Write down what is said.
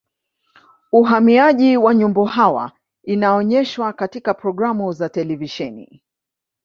uhamiaji wa nyumbu hawa unaonyeshwa katika programu za televisheni